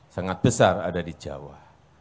sangat besar ada di jawa